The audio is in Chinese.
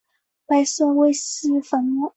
白色微细粉末。